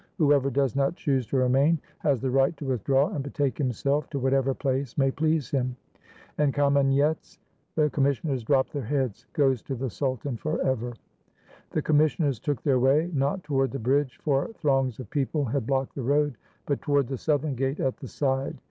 Whoever does not choose to remain has the right to withdraw and betake himself to whatever place may please him." "And Kamenyetz?" The commissioners dropped their heads: "Goes to the sultan forever." The commissioners took their way, not toward the bridge, for throngs of people had blocked the road, but toward the southern gate at the side.